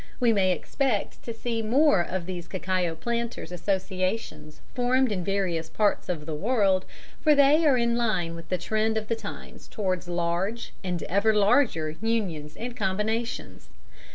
We may expect to see more of these cacao planters' associations formed in various parts of the world, for they are in line with the trend of the times towards large, and ever larger, unions and combinations.